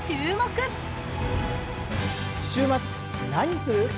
週末何する？